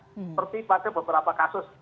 seperti pada beberapa kasus